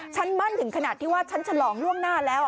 มั่นถึงขนาดที่ว่าฉันฉลองล่วงหน้าแล้ว